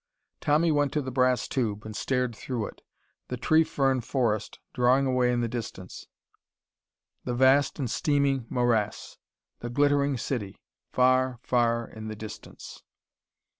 Tommy went to the brass tube and stared through it. The tree fern forest, drawing away in the distance. The vast and steaming morass. The glittering city, far, far in the distance.